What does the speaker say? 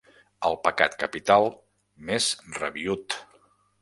El pecat capital més rabiüt.